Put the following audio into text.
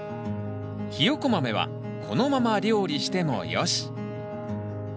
ヒヨコマメはこのまま料理してもよし。